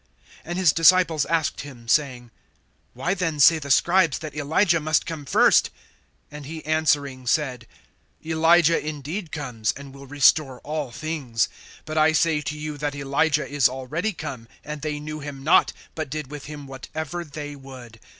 (10)And his disciples asked him, saying: Why then say the scribes that Elijah must first come? (11)And he answering said: Elijah indeed comes, and will restore all things. (12)But I say to you, that Elijah is already come, and they knew him not, but did with him whatever they would.